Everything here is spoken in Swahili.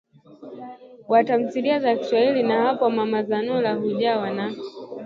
wa tamthilia za kiswahili na hapo mama Zanura hujawa na